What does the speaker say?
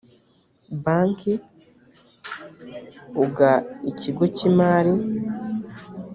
banki uga ikigo cy imari